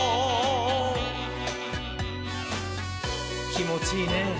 きもちいいねぇ。